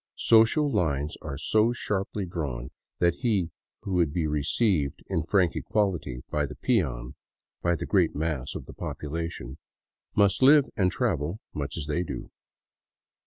Social lines are so sharply drawn that he who would be received in frank equality by the peon, by the great mass of the population, must live and travel much as they do.